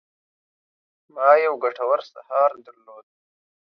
ما یو ګټور سهار درلود.